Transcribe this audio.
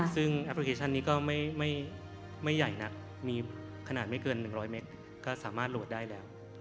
ซึ่งแอปพลิเคชันนี้ก็ไม่ใหญ่นักมีขนาดไม่เกิน๑๐๐เมตรก็สามารถโหลดได้แล้ว